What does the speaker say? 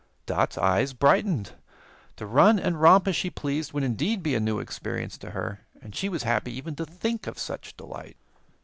Dot's eyes brightened. To run and romp as she pleased would indeed be a new experience to her, and she was happy even to think of such delight.